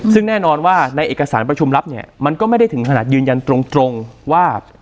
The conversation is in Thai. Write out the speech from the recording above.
ซึ่งแน่นอนว่าในเอกสารประชุมรับเนี่ยมันก็ไม่ได้ถึงขนาดยืนยันตรงว่า